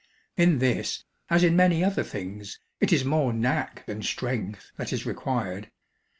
In this as in many other things, it is more 'knack' than strength that is required.